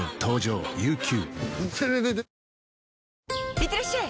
いってらっしゃい！